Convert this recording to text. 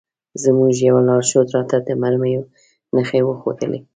زموږ یوه لارښود راته د مرمیو نښې وښودلې.